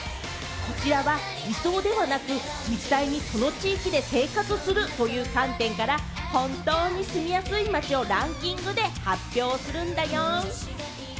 こちらは理想ではなく、実際にその地域で生活するという観点から本当に住みやすい街をランキングで発表するんだよん！